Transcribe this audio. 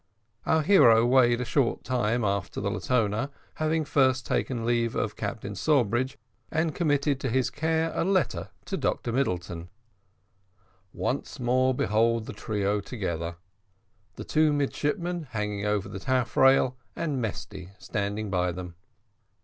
Our hero weighed a short time after the Latona, having first taken leave of Captain Sawbridge, and committed to his care a letter to Dr Middleton. Once more behold the trio together the two midshipmen hanging over the taffrail, and Mesty standing by them.